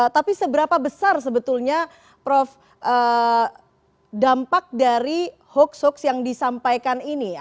tapi seberapa besar sebetulnya prof dampak dari hoax hoax yang disampaikan ini